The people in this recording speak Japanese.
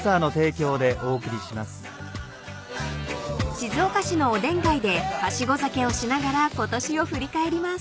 ［静岡市のおでん街ではしご酒をしながらことしを振り返ります］